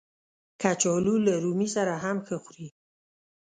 کچالو له رومي سره هم ښه خوري